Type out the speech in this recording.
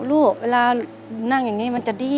ลูกเวลานั่งอย่างนี้มันจะดี